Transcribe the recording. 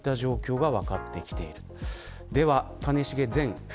こういった状況が分かってきている。